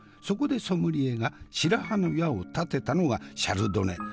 そこでソムリエが白羽の矢を立てたのがシャルドネ。